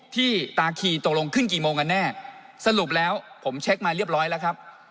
ที่ตาคีตกลงขึ้นกี่โมงกันแน่สรุปแล้วผมเช็คมาเรียบร้อยแล้วครับ